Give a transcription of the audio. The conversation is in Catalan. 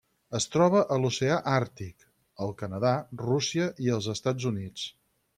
Es troba a l'Oceà Àrtic: el Canadà, Rússia i els Estats Units.